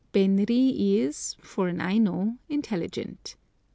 Benri is, for an Aino, intelligent.